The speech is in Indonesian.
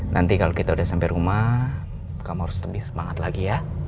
nanti kalau kita udah sampai rumah kamu harus lebih semangat lagi ya